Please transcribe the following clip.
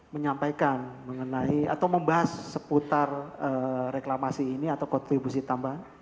menyampaikan mengenai atau membahas seputar reklamasi ini atau kontribusi tambahan